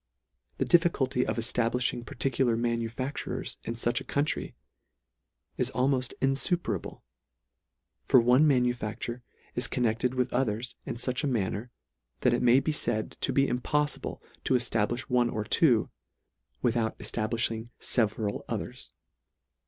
The diffi culty of eftablifhing particular manufactures in fuch a country, is almoft infuperable, LETTER II. 23 for one manufacture is connected with o thers in fuch a manner, that it may be faid to be impoffible to eflablifh one or two, without eftablifhing feveral others.